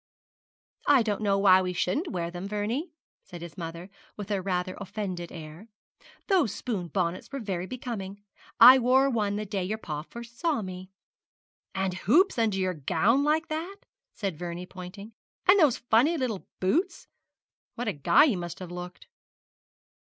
'I don't know why we shouldn't wear them, Vernie,' said his mother, with rather an offended air; 'those spoon bonnets were very becoming. I wore one the day your pa first saw me.' 'And hoops under your gown like that?' said Vernie, pointing; 'and those funny little boots? What a guy you must have looked!'